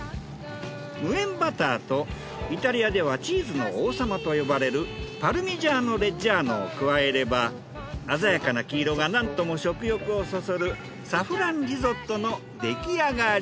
無塩バターとイタリアではチーズの王様と呼ばれるパルミジャーノ・レッジャーノを加えれば鮮やかな黄色がなんとも食欲をそそるサフランリゾットのできあがり。